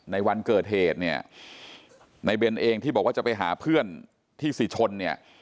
ในวันเกิดเหตุเนี่ยในเบนเองที่บอกว่าจะไปหาเพื่อนที่สิชนเนี่ย